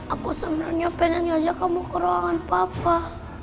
aku sebenernya pengen ngajak kamu ke ruangan papa